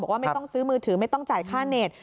ว่าไม่ต้องซื้อมือถือไม่ต้องจ่ายค่าเน็ต